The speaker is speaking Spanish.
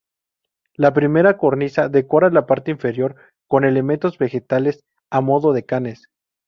La primera cornisa decora la parte inferior con elementos vegetales a modo de canes.